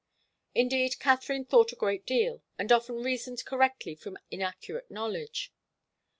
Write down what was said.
Indeed, Katharine thought a great deal, and often reasoned correctly from inaccurate knowledge.